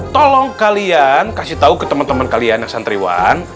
tolong kalian kasih tau ke temen temen kalian yang santriwan